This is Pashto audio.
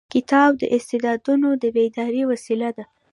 کتاب د استعدادونو د بیدارۍ وسیله ده.